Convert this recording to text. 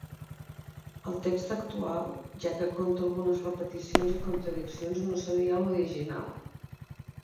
El text actual, ja que conté algunes repeticions i contradiccions no seria l'original.